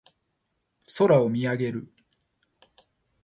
空を見上げる。